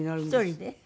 １人で？